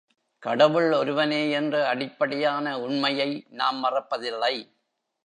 கடவுள் ஒருவனே என்ற அடிப்படையான உண்மையை நாம் மறப்பதில்லை.